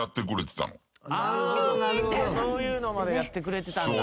そういうのまでやってくれてたんだ。